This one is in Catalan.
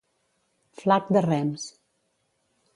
Flac de rems.